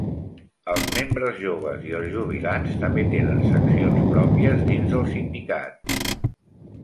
Els membres joves i els jubilats també tenen seccions pròpies dins del sindicat.